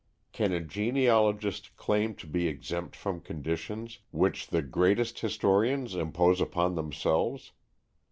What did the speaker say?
Can a genealogist claim to be exempt from conditions which the greatest historians impose upon themselves?